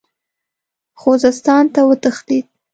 خوزستان ته وتښتېد.